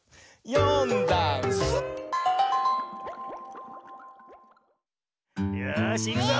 「よんだんす」よしいくぞ！